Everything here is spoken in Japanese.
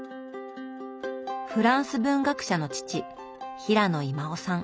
フランス文学者の父平野威馬雄さん。